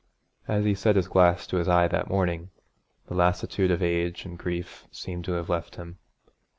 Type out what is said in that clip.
As he set his glass to his eye that morning, the lassitude of age and grief seemed to have left him.